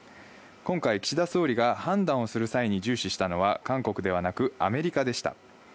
今回、岸田総理が判断をする際に重視したのは韓国ではなくアメリカでした。